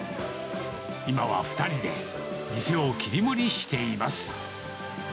今は２人で店を切り盛りしています。